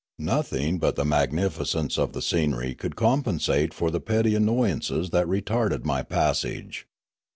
Nothing but the magnificence of the scenery could compensate for the petty annoyances that retarded my passage.